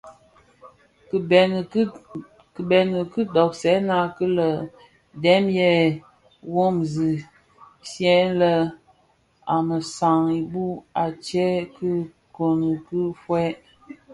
Ki bëni kidogsèna ki lè dèm yè wumzi shyeshye a mesaň ibu u tsèb ki nkun ki fuèi.